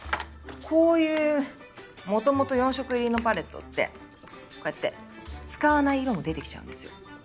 こういうもともと４色入りのパレットってこうやって使わない色も出てきちゃうんですよ。